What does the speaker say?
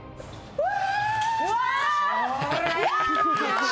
うわ！